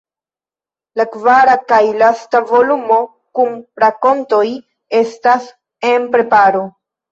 La kvara kaj lasta volumo kun rakontoj estas en preparo.